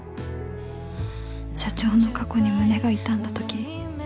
社長の過去に胸が痛んだ時